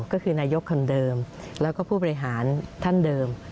ก็คือนายกคนเดิมแล้วก็ผู้บริหารท่านเดิม